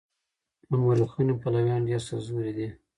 د مورخينو پلويان ډېر سرزوري دي.